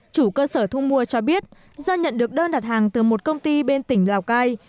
chủ cơ sở thu mua cho biết do nhận được đơn đặt hàng từ một công ty bên tỉnh lào cai